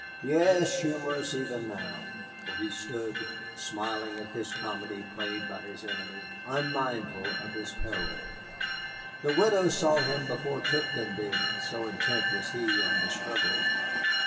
Yes, humorous even now, for he stood, smiling at this comedy played by his enemy, unmindful of his peril. The widow saw him before Tipton did, so intent was he on the struggle.